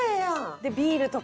でビールとか。